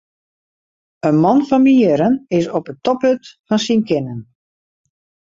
In man fan myn jierren is op it toppunt fan syn kinnen.